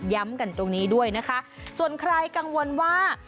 ย้ำกันตรงนี้ด้วยนะคะส่วนใครกังวลว่า